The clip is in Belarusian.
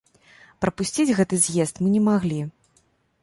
Прапусціць гэты з'езд мы не маглі.